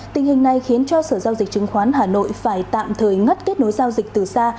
tình hình này khiến cho sở giao dịch chứng khoán hà nội phải tạm thời ngắt kết nối giao dịch từ xa